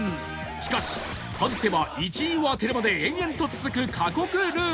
しかし外せば１位を当てるまで延々と続く過酷ルール